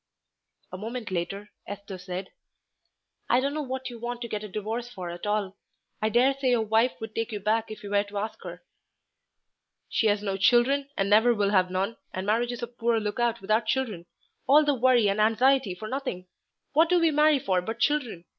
A moment later Esther said "I don't know what you want to get a divorce for at all. I daresay your wife would take you back if you were to ask her." "She's no children, and never will have none, and marriage is a poor look out without children all the worry and anxiety for nothing. What do we marry for but children?